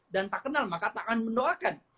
dan tak kenal maka tak akan mendoakan